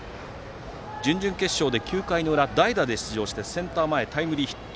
準々決勝で９回の裏代打で出場してセンター前にタイムリーヒット。